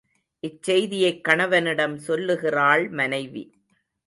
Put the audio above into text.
இச்செய்தியைக் கணவனிடம் சொல்லுகிறாள் மனைவி.